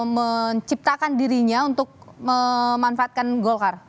menciptakan dirinya untuk memanfaatkan golkar